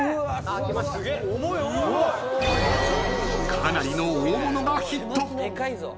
［かなりの大物がヒット］